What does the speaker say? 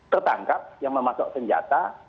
tertangkap yang memasuk senjata